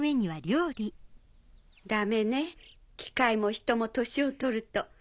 ダメね機械も人も年をとると。